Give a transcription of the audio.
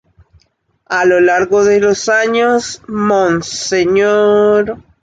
A lo largo de los años, Mons.